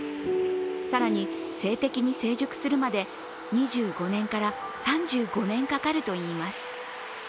更に性的に成熟するまで２５年から３５年かかるといいます。